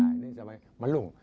ini sampai melung